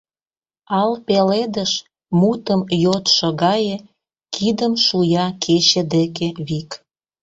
Ал пеледыш, мутым йодшо гае, Кидым шуя кече деке вик.